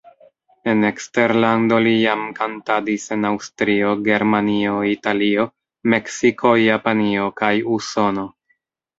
En eksterlando li jam kantadis en Aŭstrio, Germanio, Italio, Meksiko, Japanio kaj Usono.